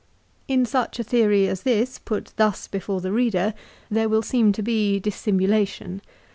In such a theory as this put thus before the reader, there will seem to be dissimula tion.